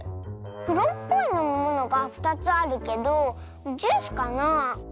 くろっぽいのみものが２つあるけどジュースかなあ。